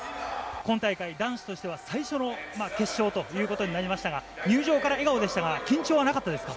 今大会、男子としては最初の決勝ということになりましたが、入場から笑顔でしたが、緊張はなかったですか。